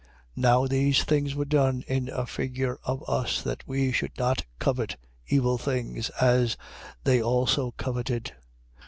10:6. Now these things were done in a figure of us, that we should not covet evil things, as they also coveted.